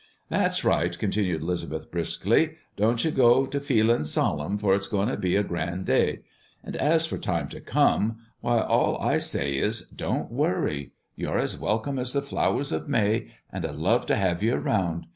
"That's right," continued Lisbeth briskly: "don't ye go to feelin' solemn, for it's goin' to be a grand day. And as for time to come, why, all I say is, don't worry. You're as welcome as the flowers of May, and I love to have ye round.